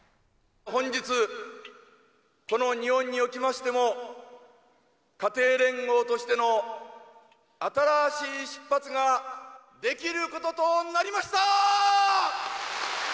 本日、この日本におきましても、家庭連合としての新しい出発ができることとなりました。